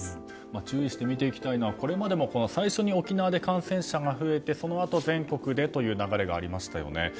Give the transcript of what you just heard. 注意して見ていきたいのはこれまでも最初に沖縄で感染者が増えて、そのあと全国でという流れがありましたよね。